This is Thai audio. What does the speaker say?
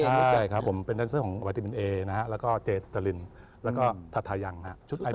ใช่ครับผมเป็นดันเซอร์ของวิตามินเอนะฮะแล้วก็เจสตาลินแล้วก็ทัชทายังฮะ